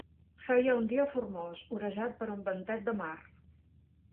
Feia un dia formós, orejat per un ventet de mar